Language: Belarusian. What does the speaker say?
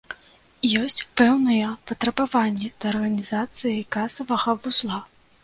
Ёсць пэўныя патрабаванні да арганізацыі касавага вузла.